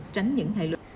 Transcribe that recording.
tránh những hại lực